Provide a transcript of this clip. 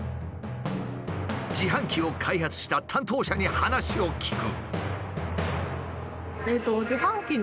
自販機を開発した担当者に話を聞く。